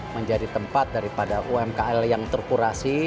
menjadi tempat daripada umkm yang terkurasi